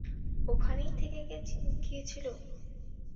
ওখানেই থেকে গিয়েছিলে?